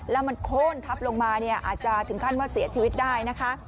แล้วมันโค้นทับลงมาเนี่ยอาจจะถึงขั้นว่าเสียชีวิตได้นะคะ